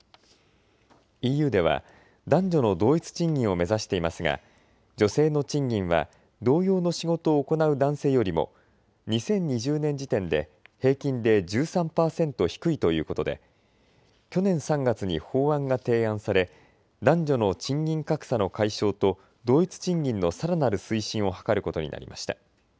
ＥＵでは男女の同一賃金を目指していますが女性の賃金は同様の仕事を行う男性よりも２０２０年時点で平均で１３％低いということで去年３月に法案が提案され男女の賃金格差の解消と同一賃金のさらなる推進を図ることになりました。